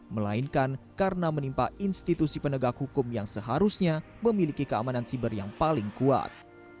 melainkan karena menimpa institusi penegak hukum yang seharusnya memiliki keamanan siber yang paling kuat